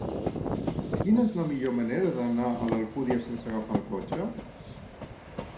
Quina és la millor manera d'anar a l'Alcúdia sense agafar el cotxe?